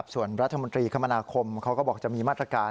ส่วนรัฐมนตรีคมนาคมเขาก็บอกจะมีมาตรการ